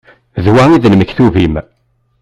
D wa i d lmektub-im.